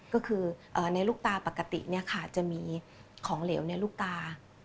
ก็คือในลูกตาปกติจะมีของเหลวในลูกตา